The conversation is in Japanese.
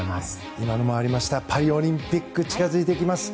今もありましたパリオリンピック近づいております。